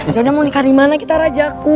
yaudah mau nikah dimana kita rajaku